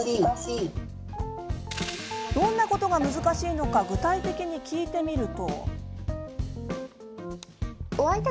どんなことが難しいのか具体的に聞いてみると。